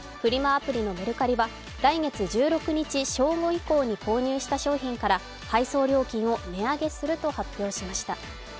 アプリのメルカリは来月１６日正午以降に購入した商品から配送料金を値上げすると発表しました。